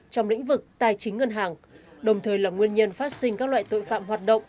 trong lĩnh vực tài chính ngân hàng đồng thời là nguyên nhân phát sinh các loại tội phạm hoạt động